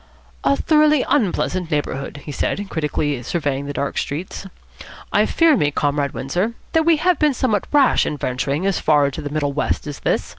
"A thoroughly unpleasant neighbourhood," he said, critically surveying the dark streets. "I fear me, Comrade Windsor, that we have been somewhat rash in venturing as far into the middle west as this.